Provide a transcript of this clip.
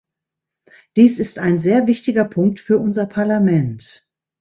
Dies ist ein sehr wichtiger Punkt für unser Parlament.